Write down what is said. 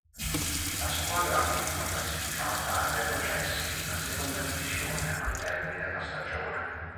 La squadra ultima classificata retrocesse in seconda divisione al termine della stagione.